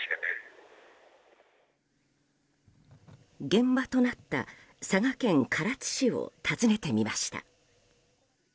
現場となった佐賀県唐津市を訪ねてみました。